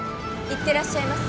いってらっしゃいませ。